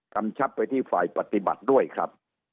กำชับไปที่ฝ่ายปฏิบัติด้วยครับ